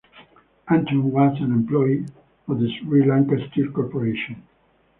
Anton was an employee of the Sri Lanka Steel Corporation.